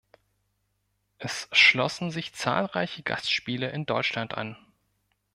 Es schlossen sich zahlreiche Gastspiele in Deutschland an.